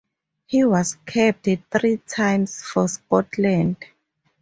He was capped three times for Scotland.